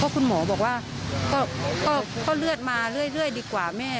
คุณหมอบอกว่าก็เลือดมาเรื่อยดีกว่าแม่